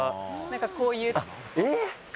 なんか、こういう。